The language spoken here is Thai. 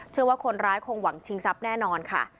เชื่อว่าคนร้ายคงหวังชิงทรัพย์แน่นอนค่ะ